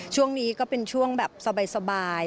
ช่วงนี้ก็เป็นช่วงแบบสบาย